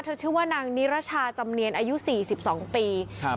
ชื่อว่านางนิรชาจำเนียนอายุสี่สิบสองปีครับ